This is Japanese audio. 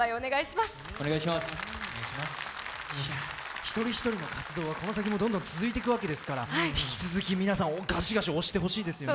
一人一人の活動は今後も続いていくわけですから引き続き皆さん、ガシガシ推してほしいですね。